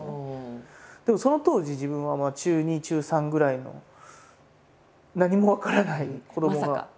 でもその当時自分は中２中３ぐらいの何も分からない子どもが。